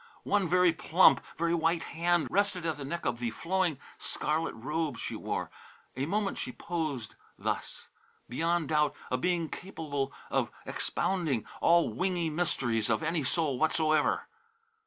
One very plump, very white hand rested at the neck of the flowing scarlet robe she wore. A moment she posed thus, beyond doubt a being capable of expounding all wingy mysteries of any soul whatsoever.